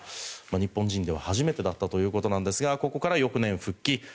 日本人では初めてだったということですがここから翌年復帰。